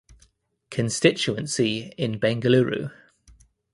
Constituency in Bengaluru.